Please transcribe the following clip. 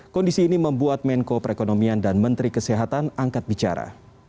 kondisi ini membuat menko perekonomian dan menteri kesehatan angkat bicara